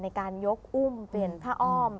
ในการยกอุ้มเปลี่ยนผ้าอ้อม